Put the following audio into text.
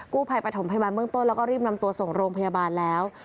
ผู้ภัยประถมพยาบาลเบื้องต้นแล้วก็รีบนำตัวส่งโรงพยาบาลแล้ว